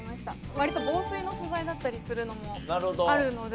割と防水の素材だったりするのもあるので。